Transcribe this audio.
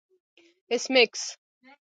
ایس میکس